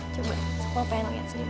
coba sama pengen lihat senyum